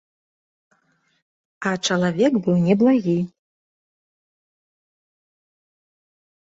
А чалавек быў неблагі.